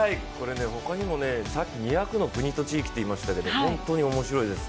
他にもさっき２００の国と地域って言いましたけど本当に面白いです。